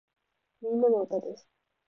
みんなの歌です